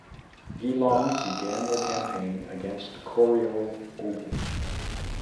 Geelong began their campaign against at the Corio Oval.